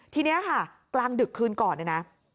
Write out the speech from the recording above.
ทีนี้ค่ะกลางดึกคืนก่อนเนี่ยนะ